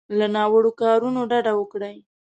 له ناوړو کارونو ډډه وکړي.